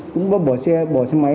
cũng bắt bỏ xe bỏ xe máy